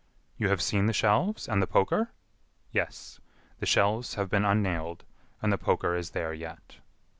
"You have seen the shelves and the poker?" "Yes. The shelves have been unnailed, and the poker is there yet."